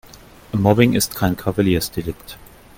Mobbing ist kein Kavaliersdelikt.